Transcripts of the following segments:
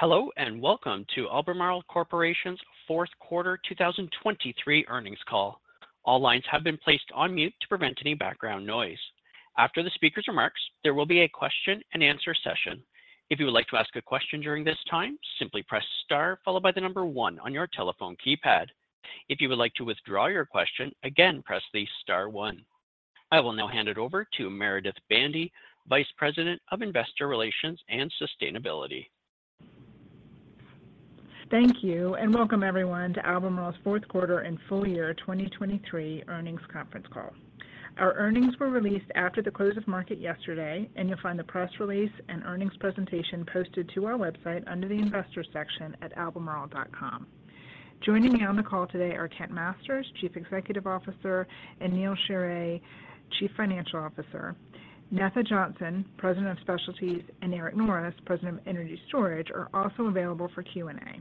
Hello and welcome to Albemarle Corporation's fourth quarter 2023 earnings call. All lines have been placed on mute to prevent any background noise. After the speaker's remarks, there will be a question-and-answer session. If you would like to ask a question during this time, simply press star followed by the number one on your telephone keypad. If you would like to withdraw your question, again press the star one. I will now hand it over to Meredith Bandy, Vice President of Investor Relations and Sustainability. Thank you and welcome everyone to Albemarle's fourth quarter and full year 2023 earnings conference call. Our earnings were released after the close of market yesterday, and you'll find the press release and earnings presentation posted to our website under the investors section at albemarle.com. Joining me on the call today are Kent Masters, Chief Executive Officer, and Neal Sheorey, Chief Financial Officer. Netha Johnson, President of Specialties, and Eric Norris, President of Energy Storage, are also available for Q&A.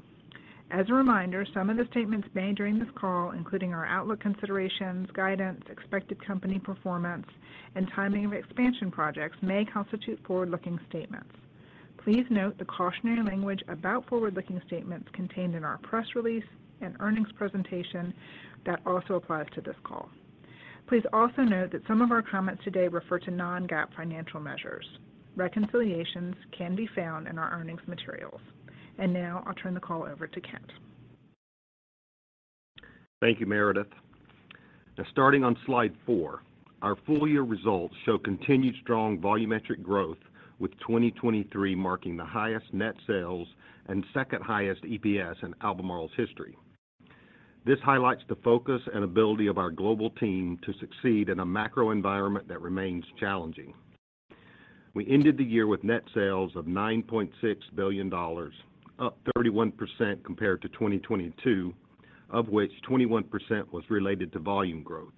As a reminder, some of the statements made during this call, including our outlook considerations, guidance, expected company performance, and timing of expansion projects, may constitute forward-looking statements. Please note the cautionary language about forward-looking statements contained in our press release and earnings presentation that also applies to this call. Please also note that some of our comments today refer to non-GAAP financial measures. Reconciliations can be found in our earnings materials. Now I'll turn the call over to Kent. Thank you, Meredith. Now, starting on slide 4, our full year results show continued strong volumetric growth, with 2023 marking the highest net sales and second highest EPS in Albemarle's history. This highlights the focus and ability of our global team to succeed in a macro environment that remains challenging. We ended the year with net sales of $9.6 billion, up 31% compared to 2022, of which 21% was related to volume growth.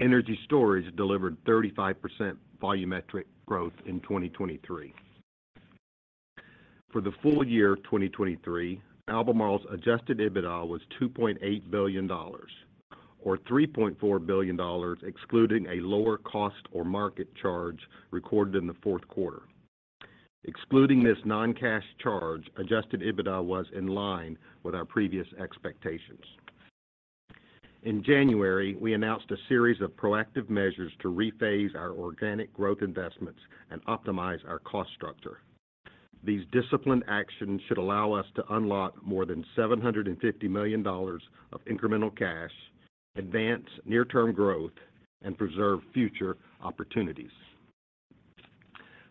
Energy Storage delivered 35% volumetric growth in 2023. For the full year 2023, Albemarle's Adjusted EBITDA was $2.8 billion, or $3.4 billion excluding a lower of cost or market charge recorded in the fourth quarter. Excluding this non-cash charge, Adjusted EBITDA was in line with our previous expectations. In January, we announced a series of proactive measures to rephase our organic growth investments and optimize our cost structure. These disciplined actions should allow us to unlock more than $750 million of incremental cash, advance near-term growth, and preserve future opportunities.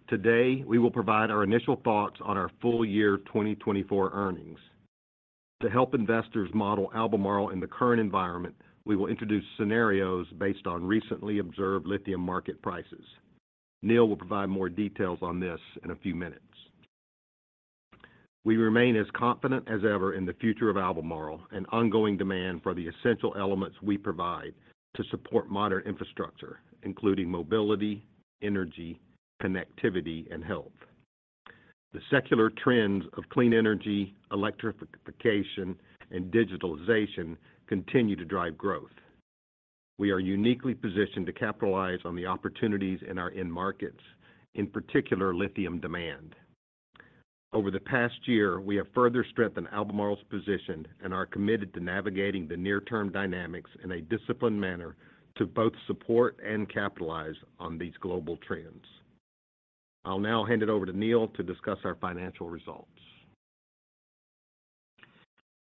Today, we will provide our initial thoughts on our full year 2024 earnings. To help investors model Albemarle in the current environment, we will introduce scenarios based on recently observed lithium market prices. Neal will provide more details on this in a few minutes. We remain as confident as ever in the future of Albemarle and ongoing demand for the essential elements we provide to support modern infrastructure, including mobility, energy, connectivity, and health. The secular trends of clean energy, electrification, and digitalization continue to drive growth. We are uniquely positioned to capitalize on the opportunities in our in-markets, in particular lithium demand. Over the past year, we have further strengthened Albemarle's position and are committed to navigating the near-term dynamics in a disciplined manner to both support and capitalize on these global trends. I'll now hand it over to Neal to discuss our financial results.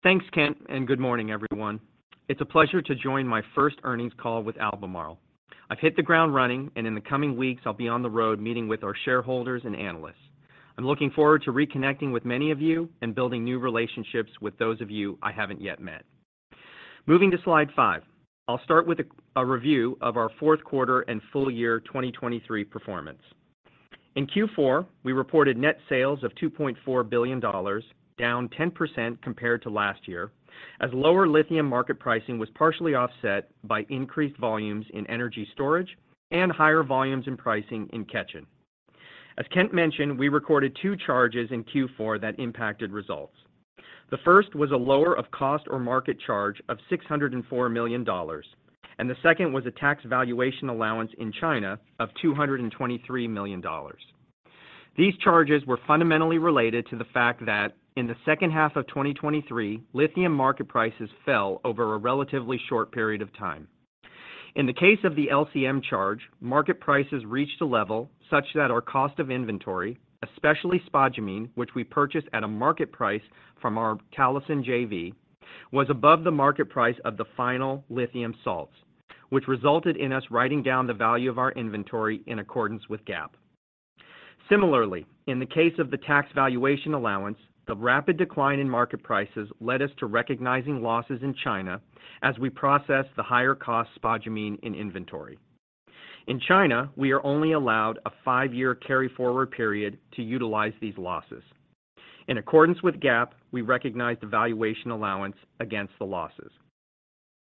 Thanks, Kent, and good morning, everyone. It's a pleasure to join my first earnings call with Albemarle. I've hit the ground running, and in the coming weeks I'll be on the road meeting with our shareholders and analysts. I'm looking forward to reconnecting with many of you and building new relationships with those of you I haven't yet met. Moving to slide 5, I'll start with a review of our fourth quarter and full year 2023 performance. In Q4, we reported net sales of $2.4 billion, down 10% compared to last year, as lower lithium market pricing was partially offset by increased volumes in energy storage and higher volumes and pricing in Ketjen. As Kent mentioned, we recorded two charges in Q4 that impacted results. The first was a lower of cost or market charge of $604 million, and the second was a tax valuation allowance in China of $223 million. These charges were fundamentally related to the fact that, in the second half of 2023, lithium market prices fell over a relatively short period of time. In the case of the LCM charge, market prices reached a level such that our cost of inventory, especially spodumene, which we purchased at a market price from our Talison JV, was above the market price of the final lithium salts, which resulted in us writing down the value of our inventory in accordance with GAAP. Similarly, in the case of the tax valuation allowance, the rapid decline in market prices led us to recognizing losses in China as we processed the higher cost spodumene in inventory. In China, we are only allowed a five-year carry-forward period to utilize these losses. In accordance with GAAP, we recognized the valuation allowance against the losses.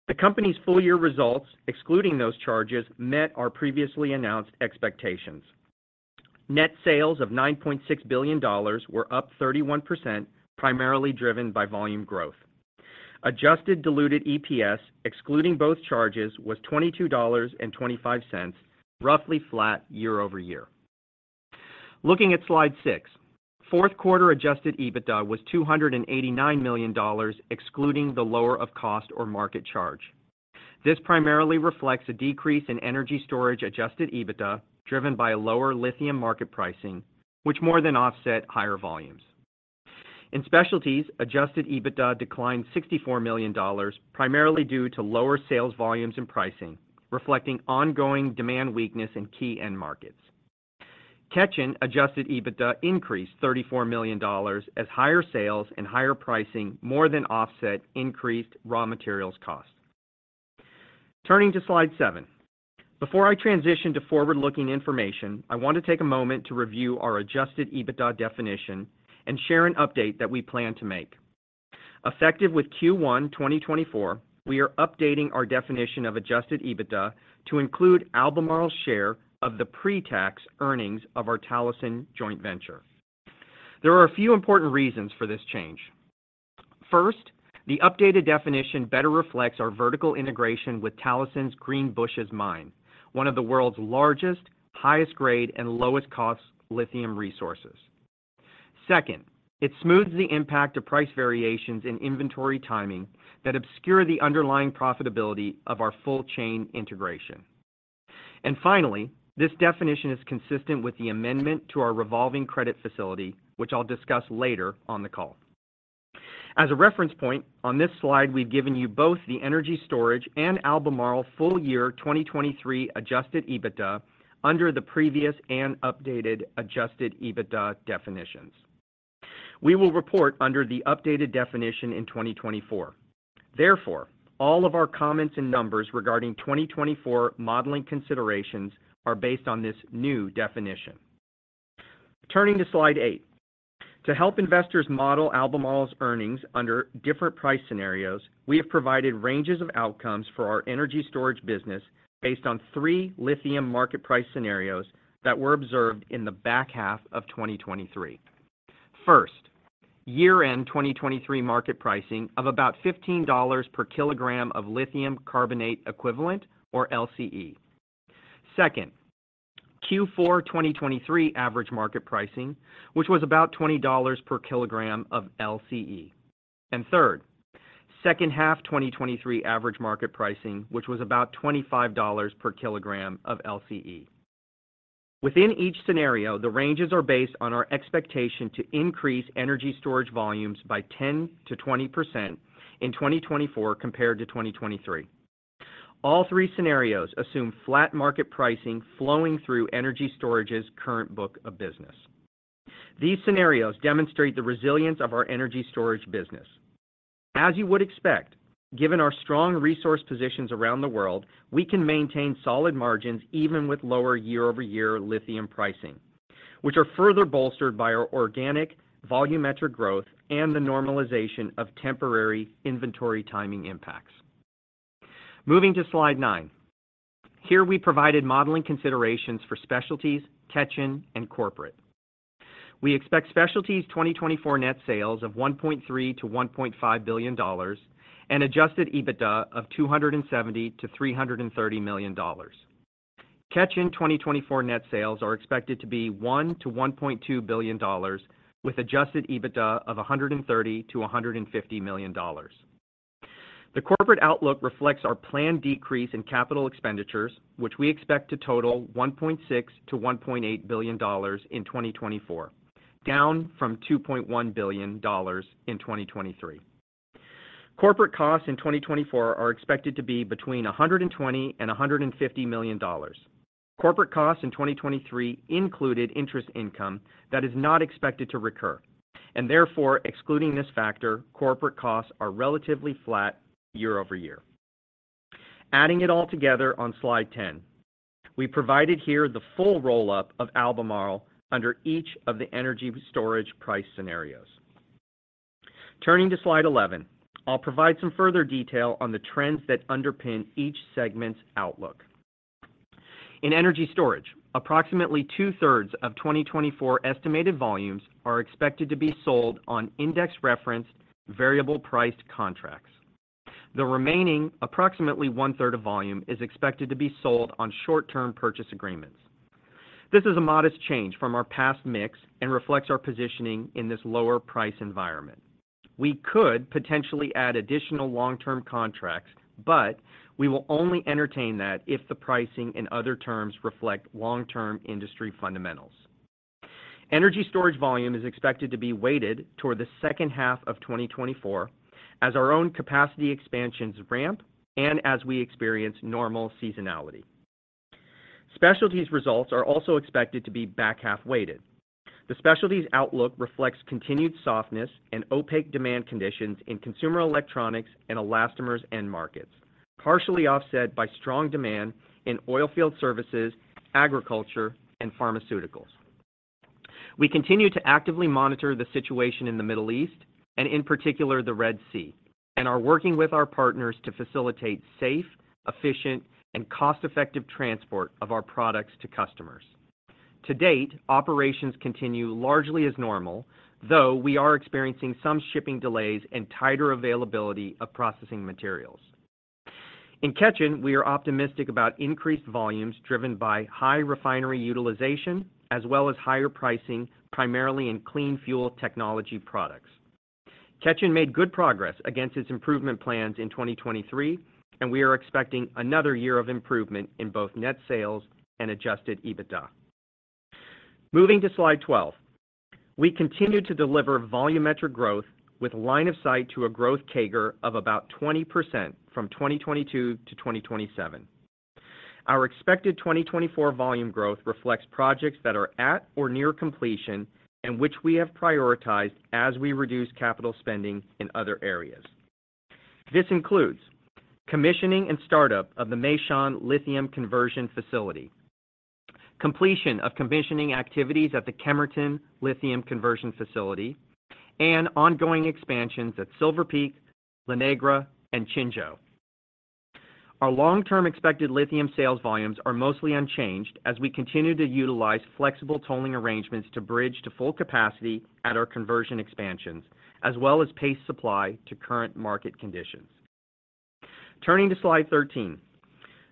The company's full year results, excluding those charges, met our previously announced expectations. Net sales of $9.6 billion were up 31%, primarily driven by volume growth. Adjusted diluted EPS, excluding both charges, was $22.25, roughly flat year-over-year. Looking at slide 6, fourth quarter Adjusted EBITDA was $289 million, excluding the lower of cost or market charge. This primarily reflects a decrease in energy storage Adjusted EBITDA driven by a lower lithium market pricing, which more than offset higher volumes. In specialties, Adjusted EBITDA declined $64 million, primarily due to lower sales volumes and pricing, reflecting ongoing demand weakness in key end markets. Ketjen Adjusted EBITDA increased $34 million as higher sales and higher pricing more than offset increased raw materials cost. Turning to slide 7, before I transition to forward-looking information, I want to take a moment to review our Adjusted EBITDA definition and share an update that we plan to make. Effective with Q1 2024, we are updating our definition of Adjusted EBITDA to include Albemarle's share of the pre-tax earnings of our Talison joint venture. There are a few important reasons for this change. First, the updated definition better reflects our vertical integration with Talison's Greenbushes Mine, one of the world's largest, highest-grade, and lowest-cost lithium resources. Second, it smooths the impact of price variations in inventory timing that obscure the underlying profitability of our full-chain integration. And finally, this definition is consistent with the amendment to our revolving credit facility, which I'll discuss later on the call. As a reference point, on this slide we've given you both the energy storage and Albemarle full year 2023 Adjusted EBITDA under the previous and updated Adjusted EBITDA definitions. We will report under the updated definition in 2024. Therefore, all of our comments and numbers regarding 2024 modeling considerations are based on this new definition. Turning to slide 8, to help investors model Albemarle's earnings under different price scenarios, we have provided ranges of outcomes for our energy storage business based on three lithium market price scenarios that were observed in the back half of 2023. First, year-end 2023 market pricing of about $15 per kilogram of lithium carbonate equivalent, or LCE. Second, Q4 2023 average market pricing, which was about $20 per kilogram of LCE. And third, second half 2023 average market pricing, which was about $25 per kilogram of LCE. Within each scenario, the ranges are based on our expectation to increase energy storage volumes by 10%-20% in 2024 compared to 2023. All three scenarios assume flat market pricing flowing through energy storage's current book of business. These scenarios demonstrate the resilience of our energy storage business. As you would expect, given our strong resource positions around the world, we can maintain solid margins even with lower year-over-year lithium pricing, which are further bolstered by our organic volumetric growth and the normalization of temporary inventory timing impacts. Moving to slide 9, here we provided modeling considerations for Specialties, Ketjen, and corporate. We expect Specialties' 2024 net sales of $1.3 billion-$1.5 billion and Adjusted EBITDA of $270 million-$330 million. Ketjen 2024 net sales are expected to be $1 billion-$1.2 billion, with Adjusted EBITDA of $130 million-$150 million. The corporate outlook reflects our planned decrease in capital expenditures, which we expect to total $1.6 billion-$1.8 billion in 2024, down from $2.1 billion in 2023. Corporate costs in 2024 are expected to be between $120 and $150 million. Corporate costs in 2023 included interest income that is not expected to recur. Therefore, excluding this factor, corporate costs are relatively flat year over year. Adding it all together on slide 10, we provided here the full roll-up of Albemarle under each of the energy storage price scenarios. Turning to slide 11, I'll provide some further detail on the trends that underpin each segment's outlook. In energy storage, approximately two-thirds of 2024 estimated volumes are expected to be sold on index-referenced variable-priced contracts. The remaining, approximately one-third of volume, is expected to be sold on short-term purchase agreements. This is a modest change from our past mix and reflects our positioning in this lower price environment. We could potentially add additional long-term contracts, but we will only entertain that if the pricing and other terms reflect long-term industry fundamentals. Energy storage volume is expected to be weighted toward the second half of 2024 as our own capacity expansions ramp and as we experience normal seasonality. Specialties' results are also expected to be back-half weighted. The specialties' outlook reflects continued softness and opaque demand conditions in consumer electronics and elastomers end markets, partially offset by strong demand in oilfield services, agriculture, and pharmaceuticals. We continue to actively monitor the situation in the Middle East and, in particular, the Red Sea, and are working with our partners to facilitate safe, efficient, and cost-effective transport of our products to customers. To date, operations continue largely as normal, though we are experiencing some shipping delays and tighter availability of processing materials. In Ketjen, we are optimistic about increased volumes driven by high refinery utilization as well as higher pricing, primarily in Clean Fuel Technology products. Ketjen made good progress against its improvement plans in 2023, and we are expecting another year of improvement in both net sales and Adjusted EBITDA. Moving to slide 12, we continue to deliver volumetric growth with line of sight to a growth CAGR of about 20% from 2022 to 2027. Our expected 2024 volume growth reflects projects that are at or near completion and which we have prioritized as we reduce capital spending in other areas. This includes commissioning and startup of the Meishan Lithium Conversion Facility, completion of commissioning activities at the Kemerton Lithium Conversion Facility, and ongoing expansions at Silver Peak, La Negra, and Qinzhou. Our long-term expected lithium sales volumes are mostly unchanged as we continue to utilize flexible tolling arrangements to bridge to full capacity at our conversion expansions, as well as pace supply to current market conditions. Turning to slide 13,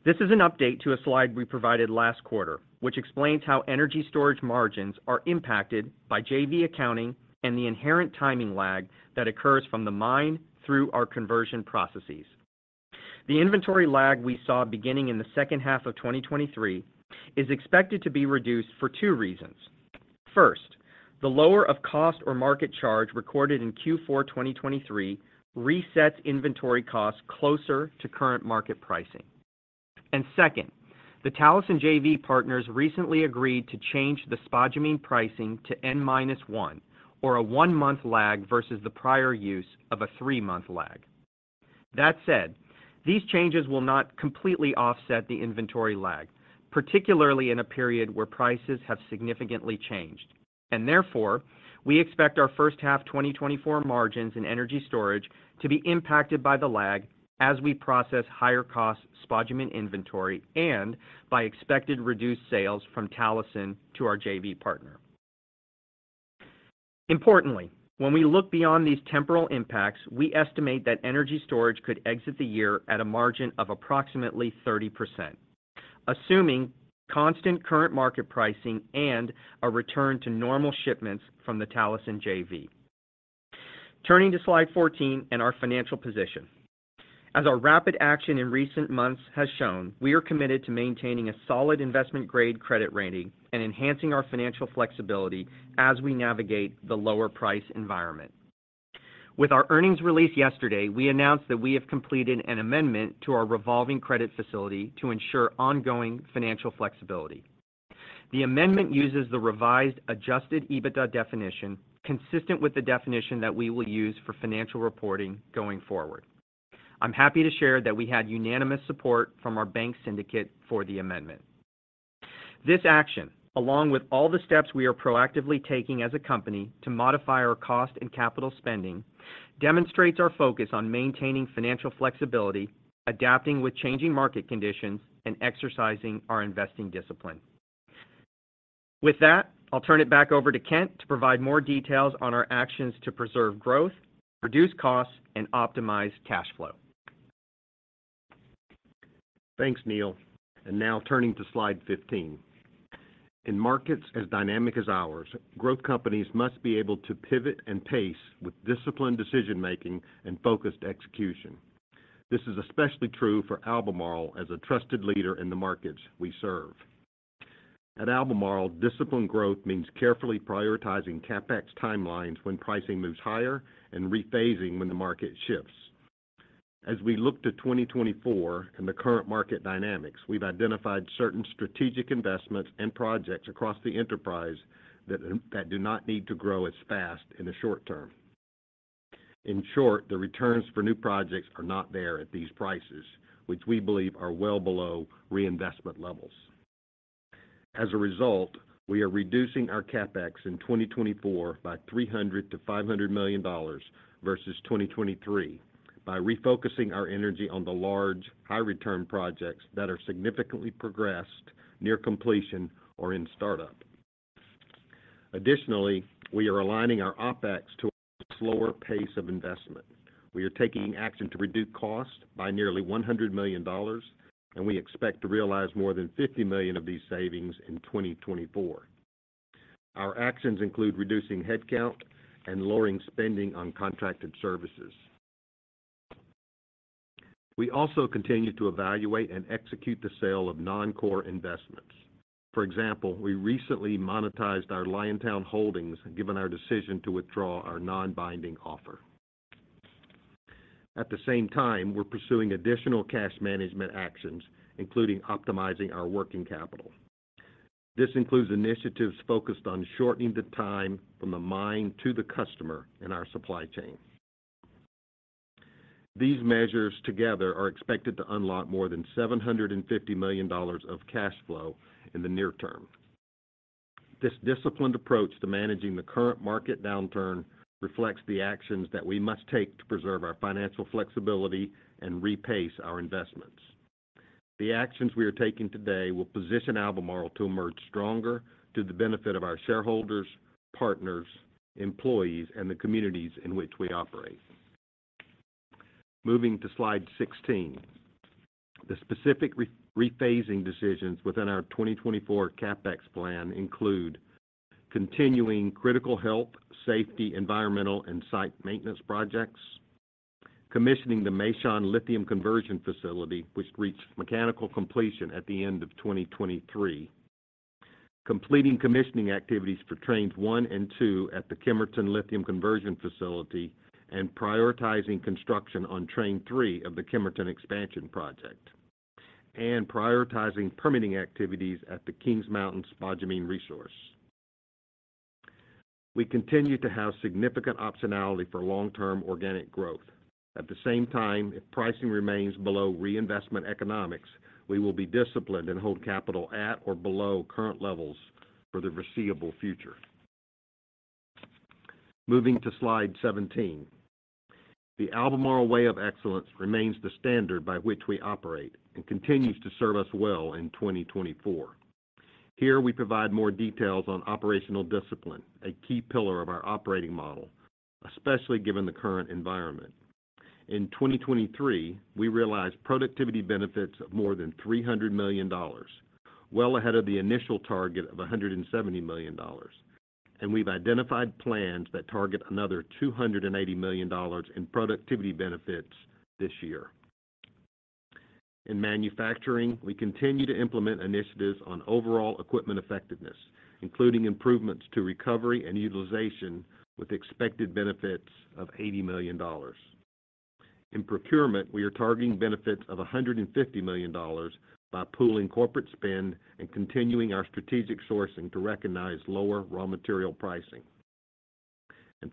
this is an update to a slide we provided last quarter, which explains how energy storage margins are impacted by JV accounting and the inherent timing lag that occurs from the mine through our conversion processes. The inventory lag we saw beginning in the second half of 2023 is expected to be reduced for two reasons. First, the lower of cost or market charge recorded in Q4 2023 resets inventory costs closer to current market pricing. Second, the Talison JV partners recently agreed to change the spodumene pricing to N-1, or a 1-month lag versus the prior use of a 3-month lag. That said, these changes will not completely offset the inventory lag, particularly in a period where prices have significantly changed. Therefore, we expect our first half 2024 margins in energy storage to be impacted by the lag as we process higher-cost spodumene inventory and by expected reduced sales from Talison to our JV partner. Importantly, when we look beyond these temporal impacts, we estimate that energy storage could exit the year at a margin of approximately 30%, assuming constant current market pricing and a return to normal shipments from the Talison JV. Turning to slide 14 and our financial position, as our rapid action in recent months has shown, we are committed to maintaining a solid investment-grade credit rating and enhancing our financial flexibility as we navigate the lower-price environment. With our earnings release yesterday, we announced that we have completed an amendment to our revolving credit facility to ensure ongoing financial flexibility. The amendment uses the revised Adjusted EBITDA definition consistent with the definition that we will use for financial reporting going forward. I'm happy to share that we had unanimous support from our bank syndicate for the amendment. This action, along with all the steps we are proactively taking as a company to modify our cost and capital spending, demonstrates our focus on maintaining financial flexibility, adapting with changing market conditions, and exercising our investing discipline. With that, I'll turn it back over to Kent to provide more details on our actions to preserve growth, reduce costs, and optimize cash flow. Thanks, Neal. And now turning to slide 15, in markets as dynamic as ours, growth companies must be able to pivot and pace with disciplined decision-making and focused execution. This is especially true for Albemarle as a trusted leader in the markets we serve. At Albemarle, disciplined growth means carefully prioritizing CapEx timelines when pricing moves higher and rephasing when the market shifts. As we look to 2024 and the current market dynamics, we've identified certain strategic investments and projects across the enterprise that do not need to grow as fast in the short term. In short, the returns for new projects are not there at these prices, which we believe are well below reinvestment levels. As a result, we are reducing our CapEx in 2024 by $300 million-$500 million versus 2023 by refocusing our energy on the large, high-return projects that are significantly progressed, near completion, or in startup. Additionally, we are aligning our OpEx to a slower pace of investment. We are taking action to reduce costs by nearly $100 million, and we expect to realize more than $50 million of these savings in 2024. Our actions include reducing headcount and lowering spending on contracted services. We also continue to evaluate and execute the sale of non-core investments. For example, we recently monetized our Liontown holdings given our decision to withdraw our non-binding offer. At the same time, we're pursuing additional cash management actions, including optimizing our working capital. This includes initiatives focused on shortening the time from the mine to the customer in our supply chain. These measures together are expected to unlock more than $750 million of cash flow in the near term. This disciplined approach to managing the current market downturn reflects the actions that we must take to preserve our financial flexibility and rephase our investments. The actions we are taking today will position Albemarle to emerge stronger to the benefit of our shareholders, partners, employees, and the communities in which we operate. Moving to slide 16, the specific rephasing decisions within our 2024 CapEx plan include continuing critical health, safety, environmental, and site maintenance projects, commissioning the Meishan Lithium Conversion Facility, which reached mechanical completion at the end of 2023, completing commissioning activities for trains 1 and 2 at the Kemerton Lithium Conversion Facility, and prioritizing construction on train 3 of the Kemerton expansion project, and prioritizing permitting activities at the Kings Mountain Spodumene Resource. We continue to have significant optionality for long-term organic growth. At the same time, if pricing remains below reinvestment economics, we will be disciplined and hold capital at or below current levels for the foreseeable future. Moving to slide 17, the Albemarle Way of Excellence remains the standard by which we operate and continues to serve us well in 2024. Here we provide more details on operational discipline, a key pillar of our operating model, especially given the current environment. In 2023, we realized productivity benefits of more than $300 million, well ahead of the initial target of $170 million, and we've identified plans that target another $280 million in productivity benefits this year. In manufacturing, we continue to implement initiatives on overall equipment effectiveness, including improvements to recovery and utilization with expected benefits of $80 million. In procurement, we are targeting benefits of $150 million by pooling corporate spend and continuing our strategic sourcing to recognize lower raw material pricing.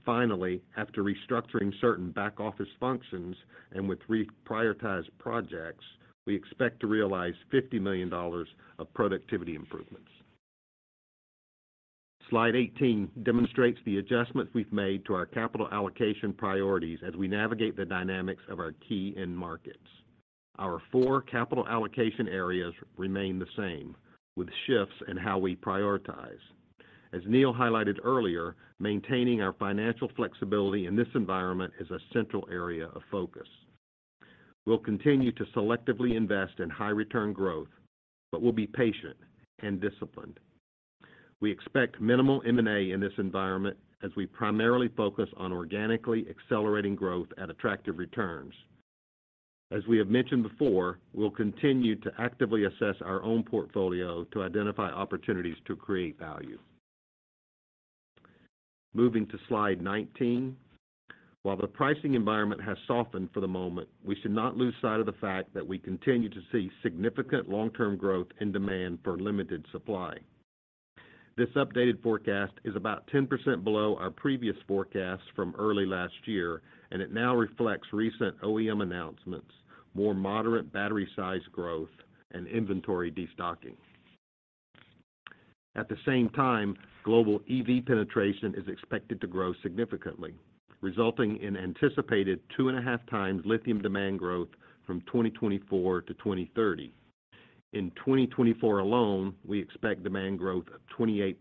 Finally, after restructuring certain back-office functions and with reprioritized projects, we expect to realize $50 million of productivity improvements. Slide 18 demonstrates the adjustments we've made to our capital allocation priorities as we navigate the dynamics of our key end markets. Our four capital allocation areas remain the same, with shifts in how we prioritize. As Neal highlighted earlier, maintaining our financial flexibility in this environment is a central area of focus. We'll continue to selectively invest in high-return growth, but we'll be patient and disciplined. We expect minimal M&A in this environment as we primarily focus on organically accelerating growth at attractive returns. As we have mentioned before, we'll continue to actively assess our own portfolio to identify opportunities to create value. Moving to slide 19, while the pricing environment has softened for the moment, we should not lose sight of the fact that we continue to see significant long-term growth in demand for limited supply. This updated forecast is about 10% below our previous forecast from early last year, and it now reflects recent OEM announcements, more moderate battery-size growth, and inventory destocking. At the same time, global EV penetration is expected to grow significantly, resulting in anticipated two-and-a-half times lithium demand growth from 2024 to 2030. In 2024 alone, we expect demand growth of 28%.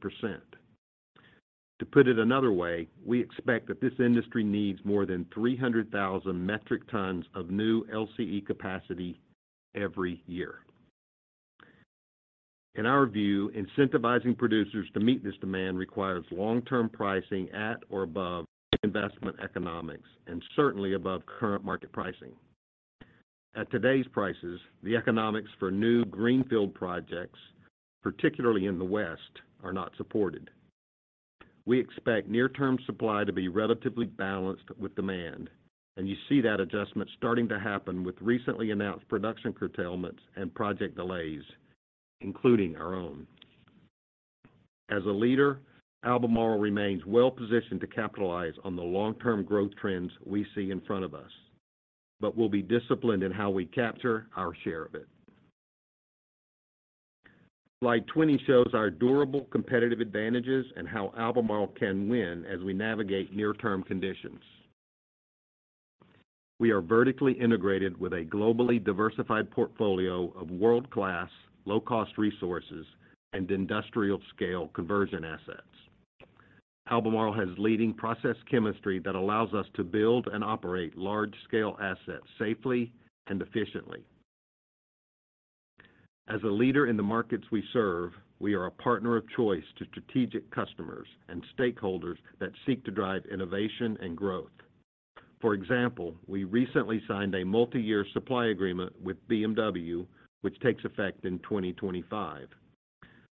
To put it another way, we expect that this industry needs more than 300,000 metric tons of new LCE capacity every year. In our view, incentivizing producers to meet this demand requires long-term pricing at or above investment economics, and certainly above current market pricing. At today's prices, the economics for new Greenfield projects, particularly in the West, are not supported. We expect near-term supply to be relatively balanced with demand, and you see that adjustment starting to happen with recently announced production curtailments and project delays, including our own. As a leader, Albemarle remains well-positioned to capitalize on the long-term growth trends we see in front of us, but we'll be disciplined in how we capture our share of it. Slide 20 shows our durable competitive advantages and how Albemarle can win as we navigate near-term conditions. We are vertically integrated with a globally diversified portfolio of world-class, low-cost resources, and industrial-scale conversion assets. Albemarle has leading process chemistry that allows us to build and operate large-scale assets safely and efficiently. As a leader in the markets we serve, we are a partner of choice to strategic customers and stakeholders that seek to drive innovation and growth. For example, we recently signed a multi-year supply agreement with BMW, which takes effect in 2025.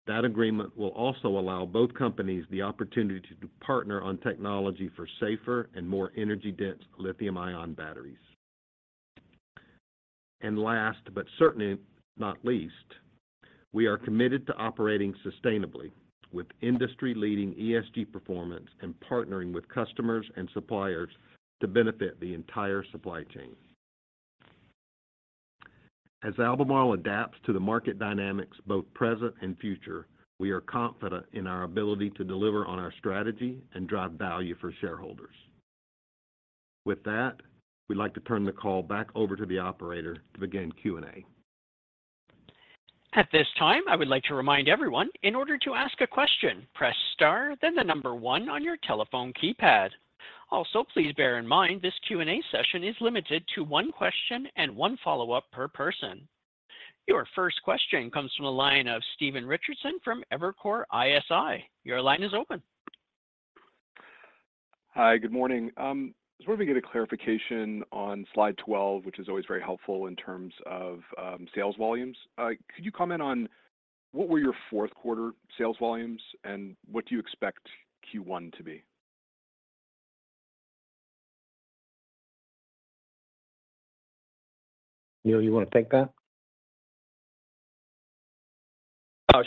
That agreement will also allow both companies the opportunity to partner on technology for safer and more energy-dense lithium-ion batteries. And last but certainly not least, we are committed to operating sustainably, with industry-leading ESG performance and partnering with customers and suppliers to benefit the entire supply chain. As Albemarle adapts to the market dynamics both present and future, we are confident in our ability to deliver on our strategy and drive value for shareholders. With that, we'd like to turn the call back over to the operator to begin Q&A. At this time, I would like to remind everyone, in order to ask a question, press star, then 1 on your telephone keypad. Also, please bear in mind this Q&A session is limited to one question and one follow-up per person. Your first question comes from a line of Stephen Richardson from Evercore ISI. Your line is open. Hi, good morning. I just wanted to get a clarification on slide 12, which is always very helpful in terms of sales volumes. Could you comment on what were your fourth-quarter sales volumes and what do you expect Q1 to be? Neal, you want to take that?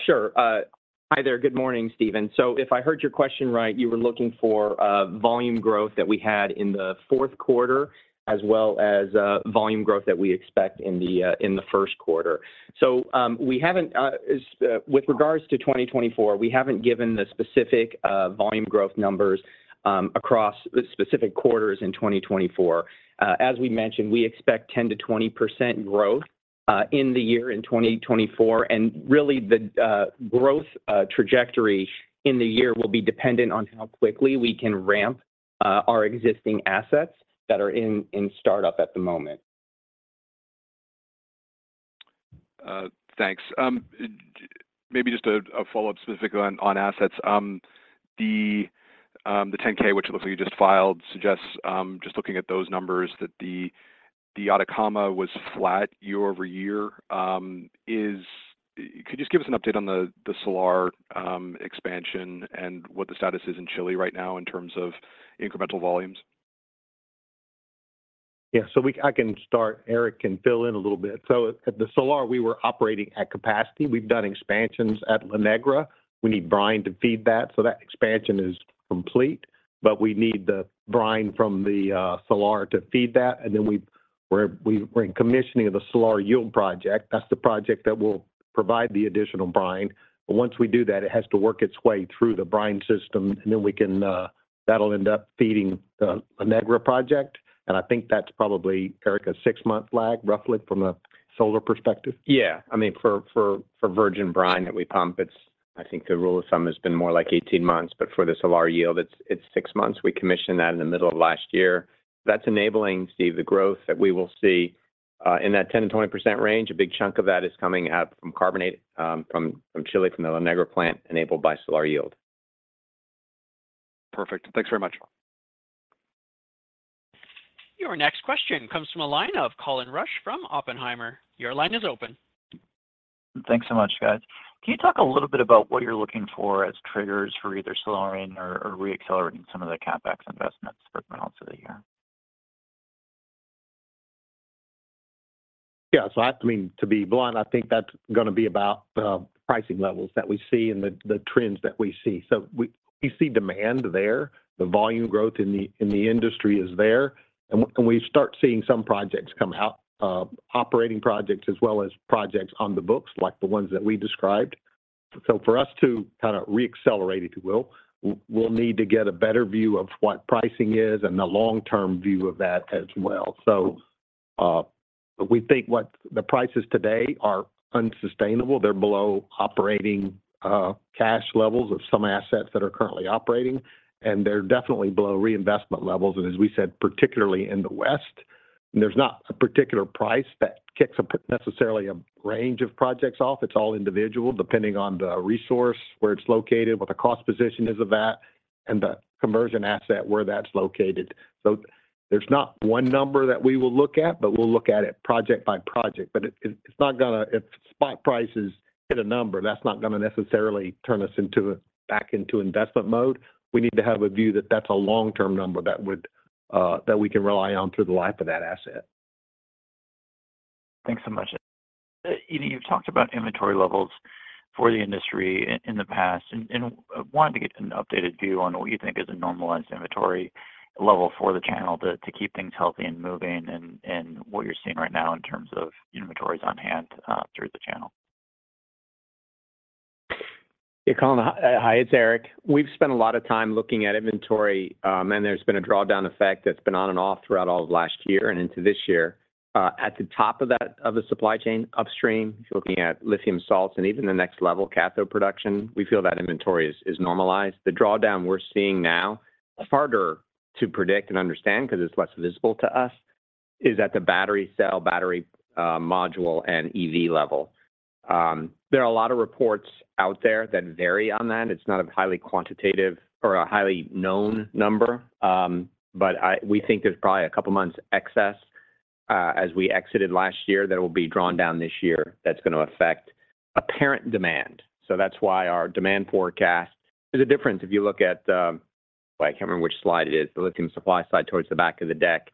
Sure. Hi there. Good morning, Stephen. So if I heard your question right, you were looking for volume growth that we had in the fourth quarter as well as volume growth that we expect in the first quarter. So with regards to 2024, we haven't given the specific volume growth numbers across specific quarters in 2024. As we mentioned, we expect 10%-20% growth in the year in 2024, and really the growth trajectory in the year will be dependent on how quickly we can ramp our existing assets that are in startup at the moment. Thanks. Maybe just a follow-up specifically on assets. The 10-K, which it looks like you just filed, suggests just looking at those numbers that the Atacama was flat year-over-year. Could you just give us an update on the solar expansion and what the status is in Chile right now in terms of incremental volumes? Yeah. So I can start. Eric can fill in a little bit. So at the Solar, we were operating at capacity. We've done expansions at La Negra. We need brine to feed that, so that expansion is complete. But we need the brine from the Solar to feed that. And then we're in commissioning of the Salar Yield project. That's the project that will provide the additional brine. But once we do that, it has to work its way through the brine system, and then that'll end up feeding the La Negra project. And I think that's probably, Eric, a six-month lag, roughly, from a solar perspective. Yeah. I mean, for virgin brine that we pump, I think the rule of thumb has been more like 18 months. But for the Salar Yield, it's 6 months. We commissioned that in the middle of last year. That's enabling, Steve, the growth that we will see. In that 10%-20% range, a big chunk of that is coming out from Chile from the La Negra plant enabled by Salar Yield. Perfect. Thanks very much. Your next question comes from a line of Colin Rusch from Oppenheimer. Your line is open. Thanks so much, guys. Can you talk a little bit about what you're looking for as triggers for either slowing or reaccelerating some of the CapEx investments for the balance of the year? Yeah. So I mean, to be blunt, I think that's going to be about the pricing levels that we see and the trends that we see. So we see demand there. The volume growth in the industry is there. And we start seeing some projects come out, operating projects as well as projects on the books like the ones that we described. So for us to kind of reaccelerate, if you will, we'll need to get a better view of what pricing is and the long-term view of that as well. So we think the prices today are unsustainable. They're below operating cash levels of some assets that are currently operating, and they're definitely below reinvestment levels. And as we said, particularly in the West, there's not a particular price that kicks necessarily a range of projects off. It's all individual, depending on the resource, where it's located, what the cost position is of that, and the conversion asset where that's located. So there's not one number that we will look at, but we'll look at it project by project. But if spot prices hit a number, that's not going to necessarily turn us back into investment mode. We need to have a view that that's a long-term number that we can rely on through the life of that asset. Thanks so much. You've talked about inventory levels for the industry in the past and wanted to get an updated view on what you think is a normalized inventory level for the channel to keep things healthy and moving and what you're seeing right now in terms of inventories on hand through the channel? Yeah, Colin. Hi, it's Eric. We've spent a lot of time looking at inventory, and there's been a drawdown effect that's been on and off throughout all of last year and into this year. At the top of the supply chain upstream, if you're looking at lithium salts and even the next level, cathode production, we feel that inventory is normalized. The drawdown we're seeing now, harder to predict and understand because it's less visible to us, is at the battery cell, battery module, and EV level. There are a lot of reports out there that vary on that. It's not a highly quantitative or a highly known number. But we think there's probably a couple of months excess as we exited last year that will be drawn down this year that's going to affect apparent demand. So that's why our demand forecast, there's a difference if you look at, I can't remember which slide it is, the lithium supply side towards the back of the deck,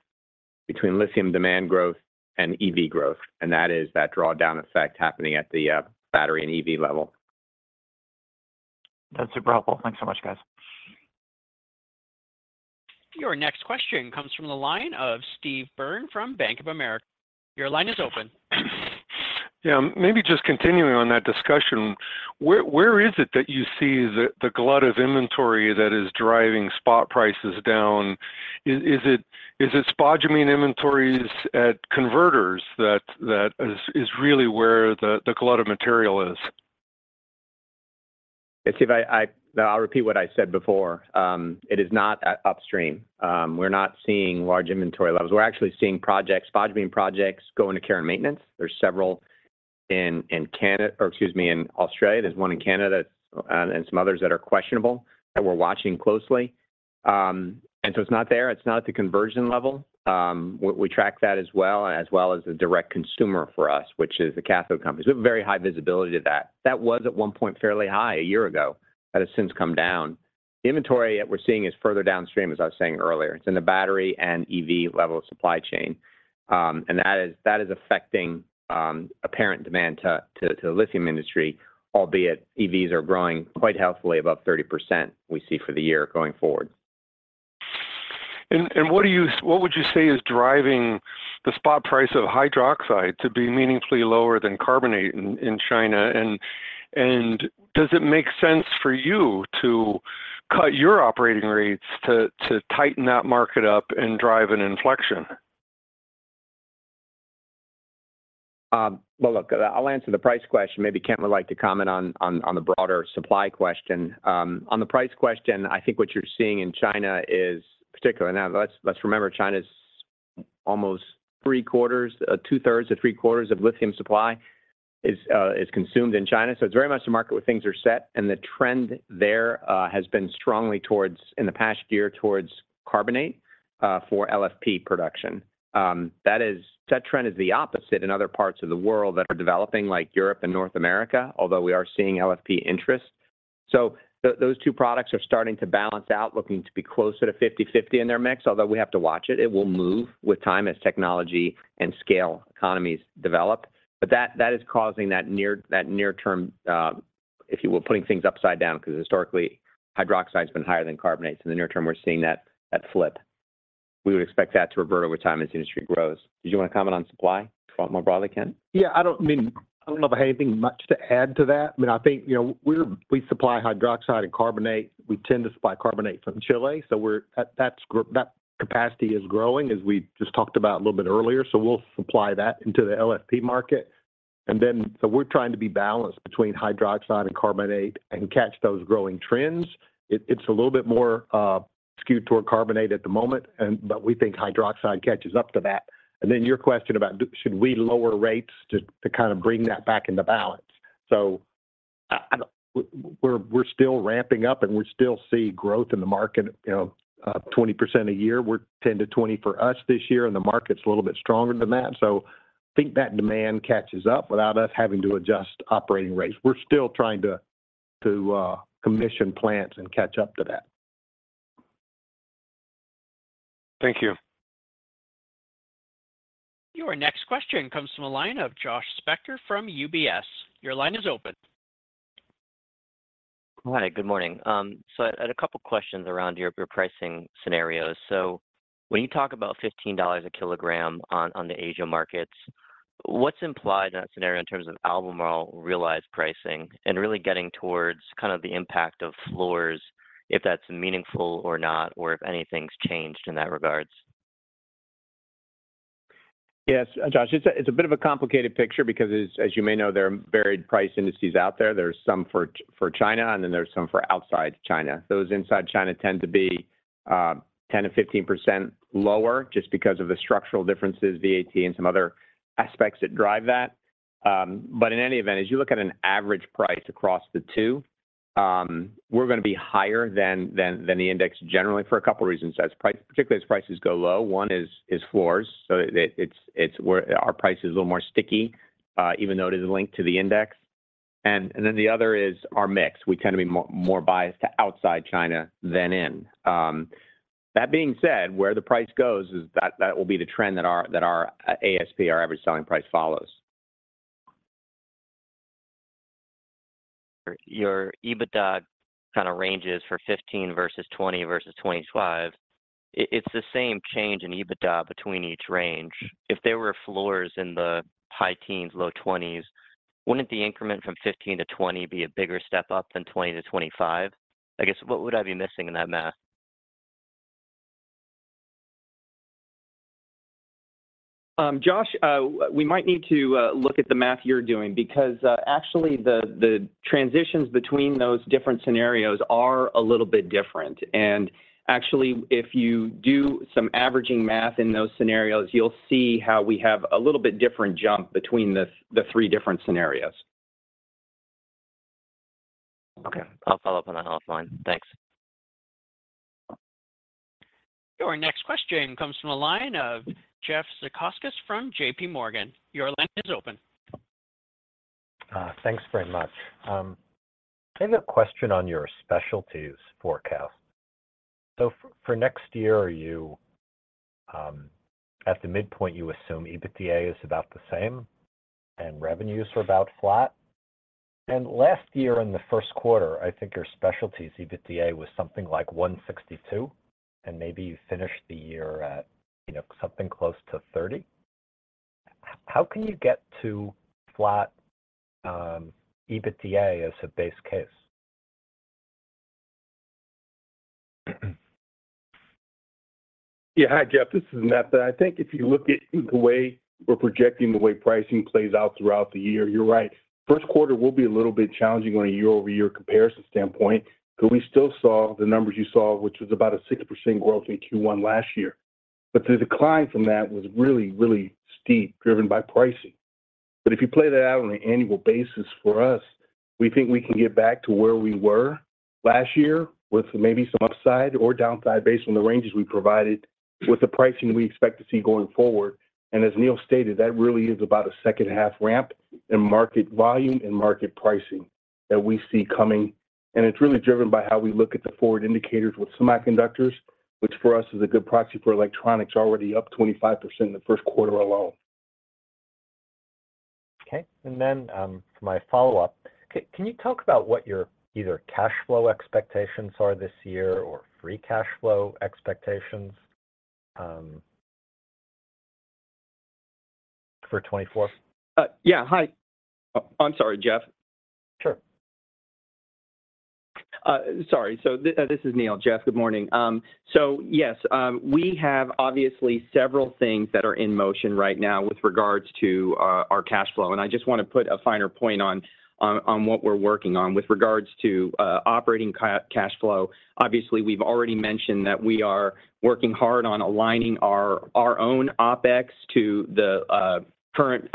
between lithium demand growth and EV growth. And that is that drawdown effect happening at the battery and EV level. That's super helpful. Thanks so much, guys. Your next question comes from the line of Steve Byrne from Bank of America. Your line is open. Yeah. Maybe just continuing on that discussion, where is it that you see the glut of inventory that is driving spot prices down? Is it spodumene inventories at converters that is really where the glut of material is? Yeah, Steve, I'll repeat what I said before. It is not upstream. We're not seeing large inventory levels. We're actually seeing spodumene projects go into care and maintenance. There's several in Canada or excuse me, in Australia. There's one in Canada and some others that are questionable that we're watching closely. So it's not there. It's not at the conversion level. We track that as well as the direct consumer for us, which is the cathode companies. We have very high visibility to that. That was at one point fairly high a year ago. That has since come down. The inventory that we're seeing is further downstream, as I was saying earlier. It's in the battery and EV level supply chain. And that is affecting apparent demand to the lithium industry, albeit EVs are growing quite healthily above 30% we see for the year going forward. What would you say is driving the spot price of hydroxide to be meaningfully lower than carbonate in China? And does it make sense for you to cut your operating rates to tighten that market up and drive an inflection? Well, look, I'll answer the price question. Maybe Kent would like to comment on the broader supply question. On the price question, I think what you're seeing in China is particularly now, let's remember, China's almost 2/3-3/4 of lithium supply is consumed in China. So it's very much a market where things are set. And the trend there has been strongly towards in the past year towards carbonate for LFP production. That trend is the opposite in other parts of the world that are developing like Europe and North America, although we are seeing LFP interest. So those two products are starting to balance out, looking to be closer to 50/50 in their mix, although we have to watch it. It will move with time as technology and scale economies develop. But that is causing that near-term, if you will, putting things upside down because historically, hydroxide has been higher than carbonate. So in the near term, we're seeing that flip. We would expect that to revert over time as the industry grows. Did you want to comment on supply more broadly, Kent? Yeah. I mean, I don't know if I have anything much to add to that. I mean, I think we supply hydroxide and carbonate. We tend to supply carbonate from Chile. So that capacity is growing, as we just talked about a little bit earlier. So we'll supply that into the LFP market. And then so we're trying to be balanced between hydroxide and carbonate and catch those growing trends. It's a little bit more skewed toward carbonate at the moment, but we think hydroxide catches up to that. And then your question about should we lower rates to kind of bring that back into balance? So we're still ramping up, and we still see growth in the market of 20% a year. We're 10%-20% for us this year, and the market's a little bit stronger than that. I think that demand catches up without us having to adjust operating rates. We're still trying to commission plants and catch up to that. Thank you. Your next question comes from a line of Josh Spector from UBS. Your line is open. Hi. Good morning. So I had a couple of questions around your pricing scenarios. So when you talk about $15 a kilogram on the Asia markets, what's implied in that scenario in terms of Albemarle realized pricing and really getting towards kind of the impact of floors, if that's meaningful or not, or if anything's changed in that regards? Yes, Josh. It's a bit of a complicated picture because, as you may know, there are varied price indices out there. There's some for China, and then there's some for outside China. Those inside China tend to be 10%-15% lower just because of the structural differences, VAT, and some other aspects that drive that. But in any event, as you look at an average price across the two, we're going to be higher than the index generally for a couple of reasons, particularly as prices go low. One is floors. So our price is a little more sticky, even though it is linked to the index. And then the other is our mix. We tend to be more biased to outside China than in. That being said, where the price goes is that will be the trend that our ASP, our average selling price, follows. Your EBITDA kind of ranges for 15 versus 20 versus 25. It's the same change in EBITDA between each range. If there were floors in the high teens, low 20s, wouldn't the increment from 15 to 20 be a bigger step up than 20 to 25? I guess what would I be missing in that math? Josh, we might need to look at the math you're doing because, actually, the transitions between those different scenarios are a little bit different. And actually, if you do some averaging math in those scenarios, you'll see how we have a little bit different jump between the three different scenarios. Okay. I'll follow up on that offline. Thanks. Your next question comes from a line of Jeff Zekauskas from JPMorgan. Your line is open. Thanks very much. I have a question on your specialties forecast. So for next year, at the midpoint, you assume EBITDA is about the same and revenues are about flat. And last year, in the first quarter, I think your specialties EBITDA was something like $162, and maybe you finished the year at something close to $30. How can you get to flat EBITDA as a base case? Yeah. Hi, Jeff. This is Netha. I think if you look at the way we're projecting, the way pricing plays out throughout the year, you're right. First quarter will be a little bit challenging on a year-over-year comparison standpoint because we still saw the numbers you saw, which was about a 6% growth in Q1 last year. But the decline from that was really, really steep, driven by pricing. But if you play that out on an annual basis for us, we think we can get back to where we were last year with maybe some upside or downside based on the ranges we provided with the pricing we expect to see going forward. And as Neal stated, that really is about a second-half ramp in market volume and market pricing that we see coming. It's really driven by how we look at the forward indicators with semiconductors, which for us is a good proxy for electronics, already up 25% in the first quarter alone. Okay. And then for my follow-up, can you talk about what your either cash flow expectations are this year or free cash flow expectations for 2024? Yeah. Hi. I'm sorry, Jeff. Sure. Sorry. So this is Neal. Jeff, good morning. So yes, we have obviously several things that are in motion right now with regards to our cash flow. And I just want to put a finer point on what we're working on with regards to operating cash flow. Obviously, we've already mentioned that we are working hard on aligning our own OpEx to the current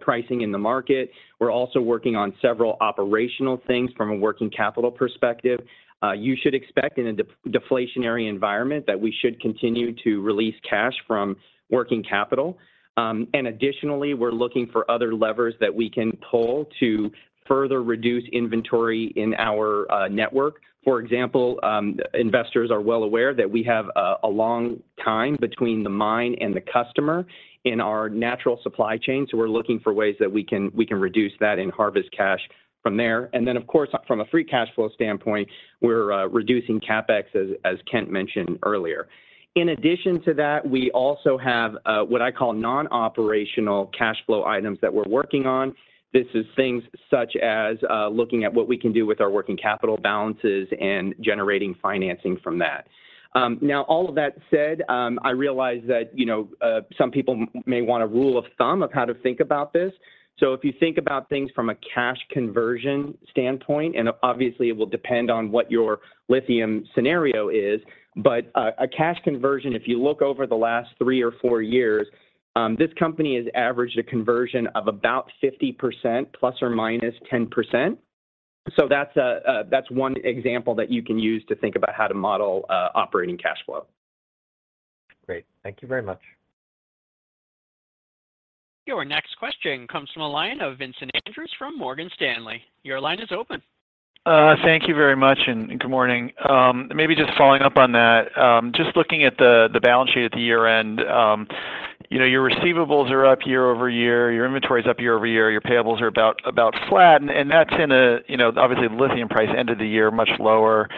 pricing in the market. We're also working on several operational things from a working capital perspective. You should expect, in a deflationary environment, that we should continue to release cash from working capital. And additionally, we're looking for other levers that we can pull to further reduce inventory in our network. For example, investors are well aware that we have a long time between the mine and the customer in our natural supply chain. So we're looking for ways that we can reduce that and harvest cash from there. And then, of course, from a free cash flow standpoint, we're reducing CapEx, as Kent mentioned earlier. In addition to that, we also have what I call non-operational cash flow items that we're working on. This is things such as looking at what we can do with our working capital balances and generating financing from that. Now, all of that said, I realize that some people may want a rule of thumb of how to think about this. So if you think about things from a cash conversion standpoint and obviously, it will depend on what your lithium scenario is. But a cash conversion, if you look over the last three or four years, this company has averaged a conversion of about 50% ± 10%. So that's one example that you can use to think about how to model operating cash flow. Great. Thank you very much. Your next question comes from a line of Vincent Andrews from Morgan Stanley. Your line is open. Thank you very much, and good morning. Maybe just following up on that, just looking at the balance sheet at the year-end, your receivables are up year-over-year, your inventory is up year-over-year, your payables are about flat. And that's in an obviously, the lithium price ended the year much lower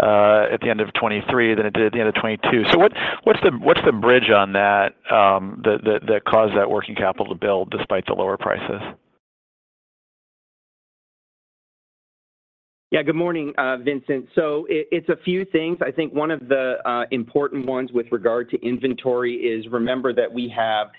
at the end of 2023 than it did at the end of 2022. So what's the bridge on that that caused that working capital to build despite the lower prices? Yeah. Good morning, Vincent. So it's a few things. I think one of the important ones with regard to inventory is, remember that we have